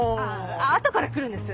あとから来るんです！